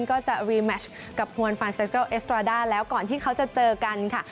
ก็จะรีแมชกับฮวนฟานเซเกิลเอสตราด้าแล้วก่อนที่เขาจะเจอกันค่ะ